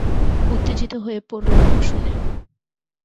উত্তেজিত হয়ে পড়লাম শুনে!